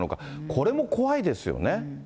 これも怖いですよね。